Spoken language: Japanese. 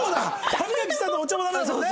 歯磨きしたあとお茶もダメだもんね。